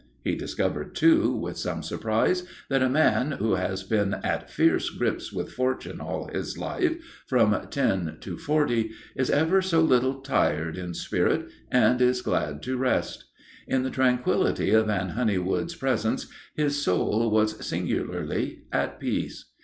He discovered, too, with some surprise, that a man who has been at fierce grips with Fortune all his life from ten to forty is ever so little tired in spirit and is glad to rest. In the tranquility of Anne Honeywood's presence his soul was singularly at peace.